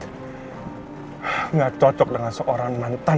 tidak cocok dengan seorang mantan